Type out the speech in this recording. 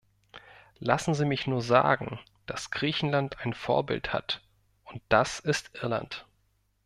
Lassen Sie mich nur sagen, dass Griechenland ein Vorbild hat, und das ist Irland.